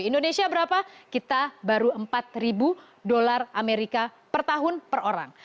indonesia berapa kita baru empat ribu dolar amerika per tahun per orang